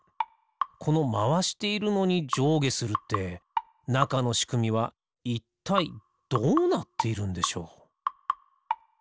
このまわしているのにじょうげするってなかのしくみはいったいどうなっているんでしょう？